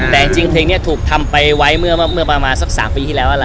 แต่จริงเพลงนี้ถูกทำไปไว้เมื่อประมาณสัก๓ปีที่แล้วล่ะ